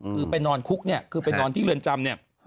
คือไปนอนคุกเนี่ยคือไปนอนที่เรือนจำเนี่ย